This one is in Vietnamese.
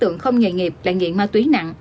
nghiệp lại nghiện ma túy nặng